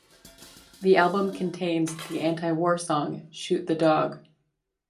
The album contains the anti-war song "Shoot the Dog".